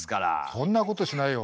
そんなことしないよ。